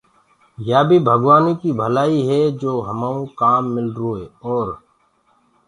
يآ بيٚ ڀگوآنو ڪيٚ ڀلآئيٚ هي جو همآئونٚ ڪآم ملروئي اور